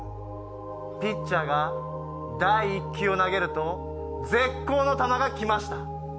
ピッチャーが第１球を投げると絶好の球がきました。